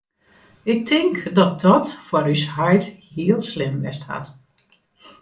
Ik tink dat dat foar ús heit heel slim west hat.